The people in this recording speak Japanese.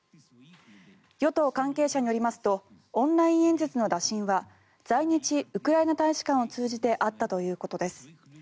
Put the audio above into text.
与党関係者によりますとオンライン演説の打診は在日ウクライナ大使館を通じてあったということです。